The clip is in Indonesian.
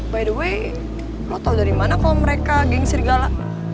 by the way lo tau dari mana kalo mereka geng sirgala